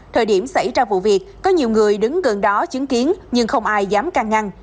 thời điểm xảy ra vụ việc có nhiều người đứng gần đó chứng kiến nhưng không ai dám căng ngăn